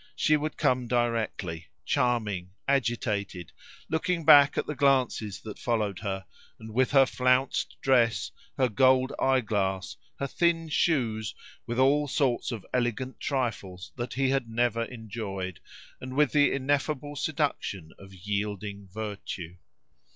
She would come directly, charming, agitated, looking back at the glances that followed her, and with her flounced dress, her gold eyeglass, her thin shoes, with all sorts of elegant trifles that he had never enjoyed, and with the ineffable seduction of yielding virtue.